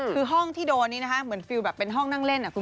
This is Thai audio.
คือห้องที่โดนนี้นะคะเหมือนฟิลแบบเป็นห้องนั่งเล่น